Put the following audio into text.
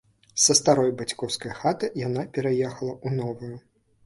Са старой бацькоўскай хаты яна пераехала ў новую.